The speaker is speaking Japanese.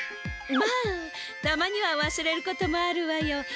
まあたまにはわすれることもあるわよ。